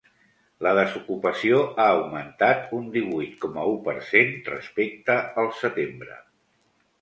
La desocupació ha augmentat un divuit coma u per cent respecte al setembre.